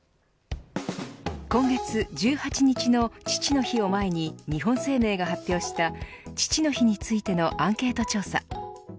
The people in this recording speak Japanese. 今月１８日の父の日を前に日本生命が発表した父の日についてのアンケート調査。